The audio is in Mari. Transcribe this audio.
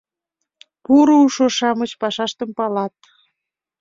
Пу руышо-шамыч пашаштым палат.